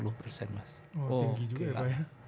oh tinggi juga pak ya